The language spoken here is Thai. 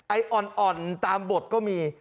อ่อนตามบทก็มี